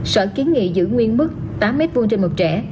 sở kiến nghị giữ nguyên mức tám m hai trên một trẻ